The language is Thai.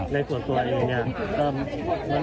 ในส่วนตัวเองเนี่ย